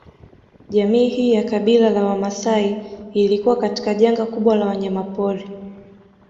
Jamii hii ya kabila la Wamaasai ilikuwa katika janga kubwa la wanyama pori